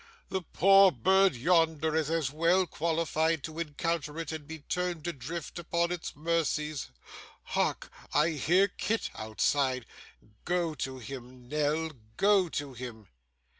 The poor bird yonder is as well qualified to encounter it, and be turned adrift upon its mercies Hark! I hear Kit outside. Go to him, Nell, go to him.